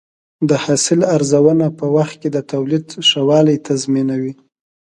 د حاصل ارزونه په وخت کې د تولید ښه والی تضمینوي.